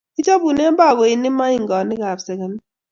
Kichobune bakoinik moingonikap segemik